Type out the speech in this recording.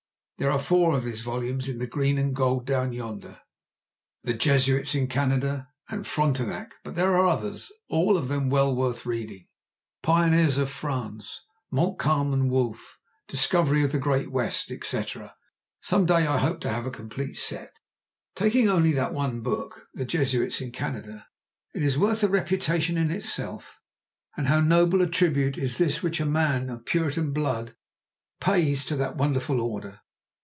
There are four of his volumes in green and gold down yonder, "The Jesuits in Canada," and "Frontenac," but there are others, all of them well worth reading, "Pioneers of France," "Montcalm and Wolfe," "Discovery of the Great West," etc. Some day I hope to have a complete set. Taking only that one book, "The Jesuits in Canada," it is worth a reputation in itself. And how noble a tribute is this which a man of Puritan blood pays to that wonderful Order!